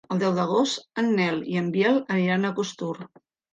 El deu d'agost en Nel i en Biel aniran a Costur.